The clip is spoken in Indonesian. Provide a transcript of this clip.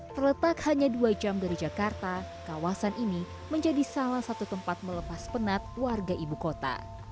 terletak hanya dua jam dari jakarta kawasan ini menjadi salah satu tempat melepas penat warga ibu kota